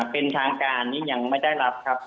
เป็นทางการนี้ยังไม่ได้รับครับ